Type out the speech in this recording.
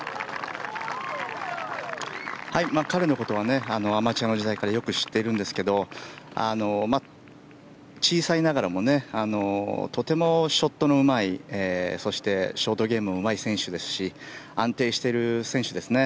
彼のことはアマチュアの時代からよく知っているんですけど小さいながらもとてもショットのうまいそしてショートゲームもうまい選手ですし安定している選手ですね。